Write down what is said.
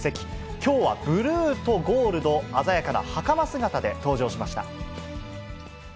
きょうはブルートゴールド、鮮やかなはかま姿で登場しました。